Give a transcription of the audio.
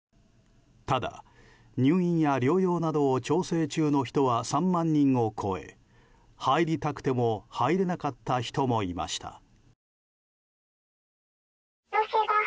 ただ、入院や療養などを調整中の人は３万人を超え、入りたくても入れなかった人もいました。